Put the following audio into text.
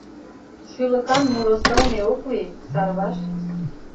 Шӱлыкан муро сылне ок лий, Сарваш.